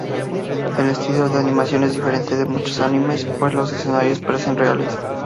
El estilo de animación es diferente de muchos animes, pues los escenarios parecen reales.